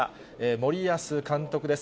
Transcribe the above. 森保監督です。